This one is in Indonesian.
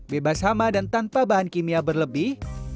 bebas hama dan tanpa bahan kimia berlebih